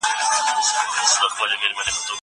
زه اوږده وخت زده کړه کوم!!